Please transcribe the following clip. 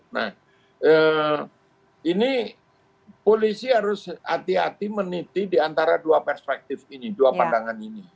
nah ini polisi harus hati hati meniti di antara dua perspektif ini dua pandangan ini